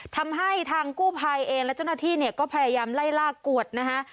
ทำให้ทางกู้ภัยเองและเจ้าหน้าที่เนี่ยก็พยายามไล่ล่ากวดนะฮะ